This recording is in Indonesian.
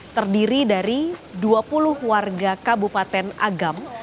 terdiri dari dua puluh warga kabupaten agam